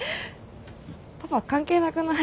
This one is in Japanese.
パパ関係なくない？